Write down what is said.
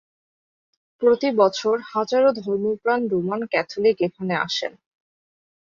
প্রতি বছর হাজারো ধর্মপ্রাণ রোমান ক্যাথলিক এখানে আসেন।